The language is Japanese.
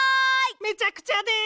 めちゃくちゃです！